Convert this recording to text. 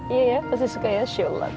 iya ya pasti suka ya syullah